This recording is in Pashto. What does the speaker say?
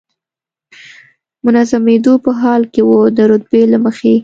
منظمېدو په حال کې و، د رتبې له مخې.